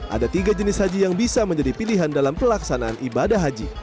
ada tiga jenis haji yang bisa menjadi pilihan dalam pelaksanaan ibadah haji